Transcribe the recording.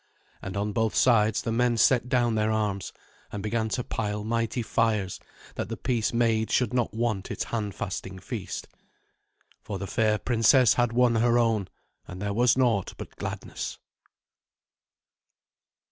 And on both sides the men set down their arms, and began to pile mighty fires, that the peace made should not want its handfasting feast. For the fair princess had won her own, and there was naught but gladness.